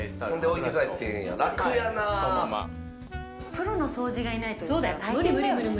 プロの掃除がいないとさ大変だよね。